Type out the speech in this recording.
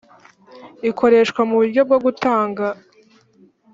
ikoreshwa mu buryo bwo gutanga